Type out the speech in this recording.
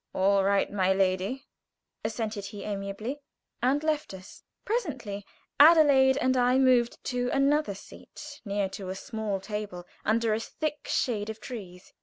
"All right, my lady," assented he, amiably, and left us. Presently Adelaide and I moved to another seat, near to a small table under a thick shade of trees.